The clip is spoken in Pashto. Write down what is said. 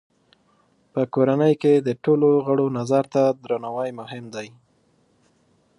په کورنۍ کې د ټولو غړو نظر ته درناوی مهم دی.